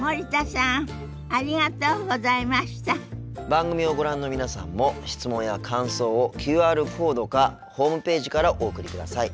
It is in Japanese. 番組をご覧の皆さんも質問や感想をＱＲコードかホームページからお送りください。